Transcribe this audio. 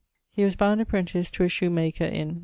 He was bound apprentice to a shoe maker in